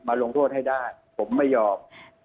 ลงโทษให้ได้ผมไม่ยอม